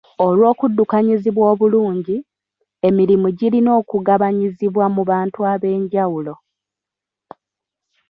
Olw'okuddukanyizibwa obulungi, emirimu girina okugabanyizibwa mu bantu ab'enjawulo.